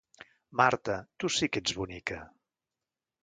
Marta, tu sí que ets bonica.